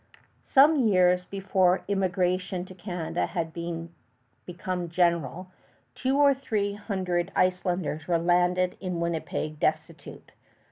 Some years before immigration to Canada had become general, two or three hundred Icelanders were landed in Winnipeg destitute.